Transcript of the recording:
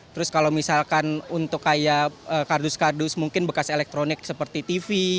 terus kalau misalkan untuk kayak kardus kardus mungkin bekas elektronik seperti tv